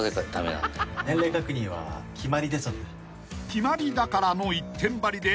［「決まりだから」の一点張りで］